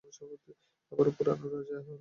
আবার পুরানো রাজা এল, তার ভাইপো রাজা হল।